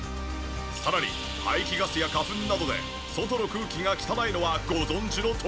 さらに排気ガスや花粉などで外の空気が汚いのはご存じのとおり。